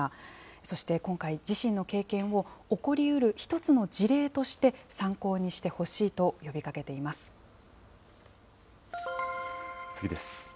そして今回、自身の経験を起こりうる一つの事例として、参考にしてほしいと呼次です。